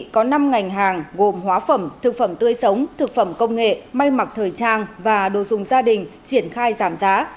có năm ngành hàng gồm hóa phẩm thực phẩm tươi sống thực phẩm công nghệ may mặc thời trang và đồ dùng gia đình triển khai giảm giá